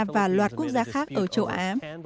và loạt quốc gia khác ở châu á